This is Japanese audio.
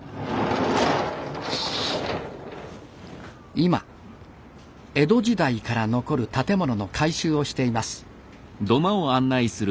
今江戸時代から残る建物の改修をしています。